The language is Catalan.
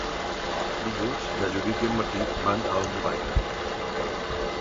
Dilluns na Judit i en Martí van a Almudaina.